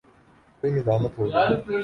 کوئی ندامت ہو گی؟